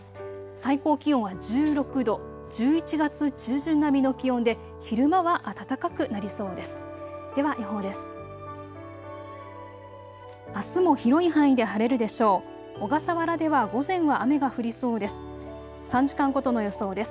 最高気温は１６度、１１月中旬並みの気温で昼間は暖かくなりそうです。